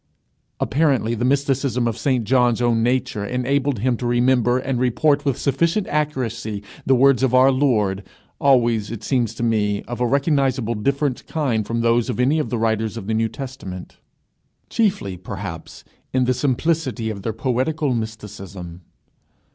Apparently the mysticism of St John's own nature enabled him to remember and report with sufficient accuracy the words of our Lord, always, it seems to me, of a recognizably different kind from those of any of the writers of the New Testament chiefly, perhaps, in the simplicity of their poetical mysticism.